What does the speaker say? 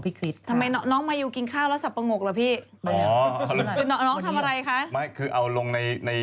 ไม่รู้ว่าเค้าเหมือนกัน